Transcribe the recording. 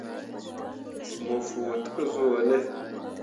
Mo fuu te zuu wo ne ?